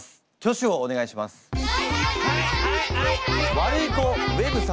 ワルイコウェブ様。